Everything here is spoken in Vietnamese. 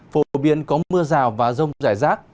phổ biến có mưa rào và rông giải rác